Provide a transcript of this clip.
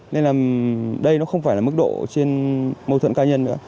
nên là đây nó không phải là mức độ trên mâu thuẫn cá nhân nữa